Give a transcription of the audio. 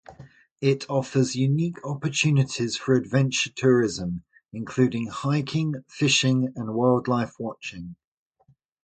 It offers unique opportunities for adventure tourism, including hiking, fishing, and wildlife watching.